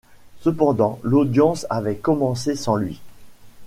Cependant l’audience avait commencé sans lui.